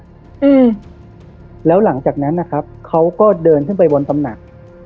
อืมแล้วหลังจากนั้นนะครับเขาก็เดินขึ้นไปบนตำหนัก